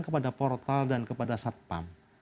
kepada portal dan kepada satpam